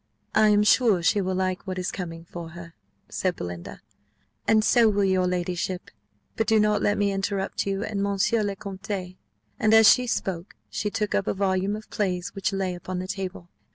"I am sure she will like what is coming for her," said Belinda, "and so will your ladyship; but do not let me interrupt you and monsieur le Comte." And as she spoke, she took up a volume of plays which lay upon the table.